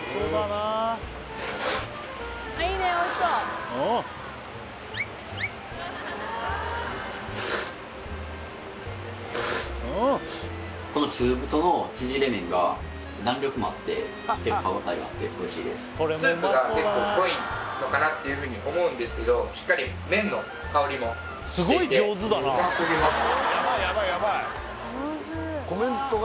スープが結構濃いのかなっていうふうに思うんですけどしっかり麺の香りもしててうますぎます